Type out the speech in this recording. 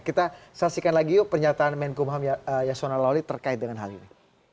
kita saksikan lagi yuk pernyataan menkumham yasona lawli terkait dengan hal ini